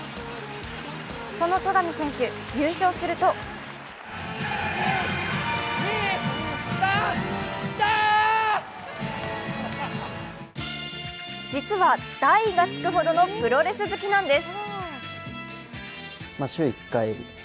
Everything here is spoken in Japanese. その戸上選手、優勝すると実は、大がつくほどのプロレス好きなんです。